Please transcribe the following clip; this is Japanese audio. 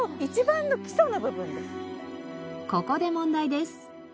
ここで問題です。